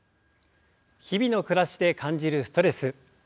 日々の暮らしで感じるストレス。